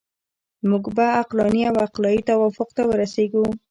موږ به عقلاني او عقلایي توافق ته ورسیږو.